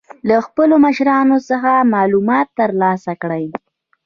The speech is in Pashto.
له خپلو مشرانو څخه معلومات تر لاسه کړئ.